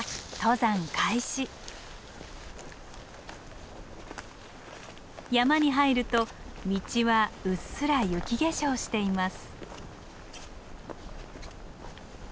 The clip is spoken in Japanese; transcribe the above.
山に入ると道はうっすら雪化粧しています。